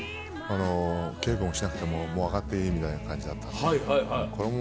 稽古をしなくてももう上がっていいみたいな感じだったんで。